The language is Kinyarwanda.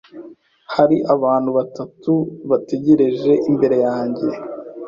Hari abantu batatu bategereje imbere yanjye.